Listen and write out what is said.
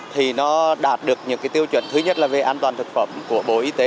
thì nó đạt được những cái tiêu chuẩn thứ nhất là về an toàn thực phẩm của bộ y tế